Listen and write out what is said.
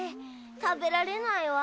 たべられないわ。